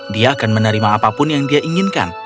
dia akan menerima apapun yang dia inginkan